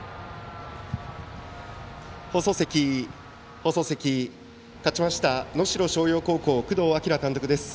放送席、勝ちました能代松陽高校の工藤明監督です。